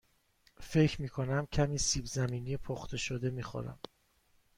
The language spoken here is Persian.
فکر می کنم کمی سیب زمینی پخته شده می خورم.